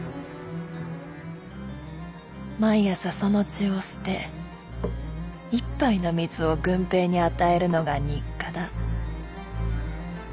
毎朝その血を捨て一杯の水を郡平に与えるのが日課だ。